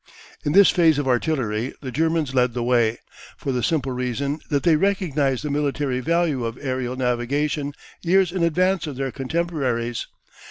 In this phase of artillery the Germans led the way, for the simple reason that they recognised the military value of aerial navigation years in advance of their contemporaries.